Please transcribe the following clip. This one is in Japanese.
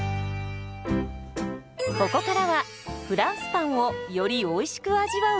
ここからはフランスパンをよりおいしく味わうコツです。